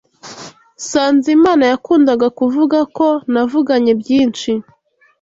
Sanzimana yakundaga kuvuga ko navuganye byinshi.